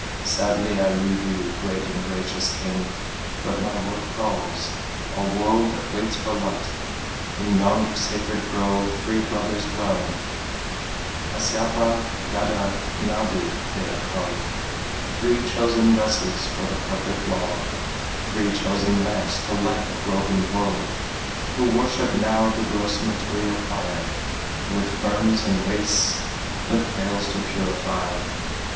Sadly I leave you, great and gracious king, But my work calls a world that waits for light. In yonder sacred grove three brothers dwell Kasyapa, Gada, Nadi, they are called; Three chosen vessels for the perfect law, Three chosen lamps to light a groping world, Who worship now the gross material fire Which burns and wastes but fails to purify.